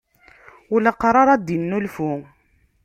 Uleqṛaṛ ad d-innulfu.